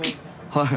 はい。